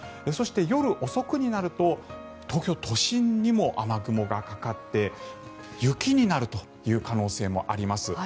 そして、夜遅くになると東京都心にも雨雲がかかって雪になるという可能性もあります。